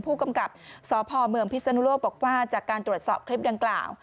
ผู้กำกับสพเมืองพิศนุโลกบอกว่าจากการตรวจสอบคลิปดังกล่าว